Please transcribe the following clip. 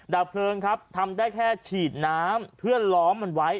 ดับเพลิงครับทำได้แค่ฉีดน้ำเพื่อล้อมมันไว้